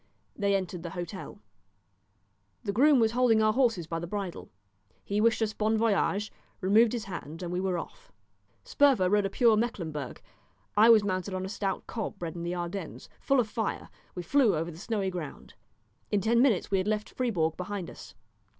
They entered the hotel. The groom was holding our horses by the bridle. He wished us bon voyage, removed his hand, and we were off. Sperver rode a pure Mecklemburg. I was mounted on a stout cob bred in the Ardennes, full of fire; we flew over the snowy ground. In ten minutes we had left Fribourg behind us.